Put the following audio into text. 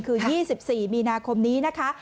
คือ๒๔มีนาคมนี้นะคะ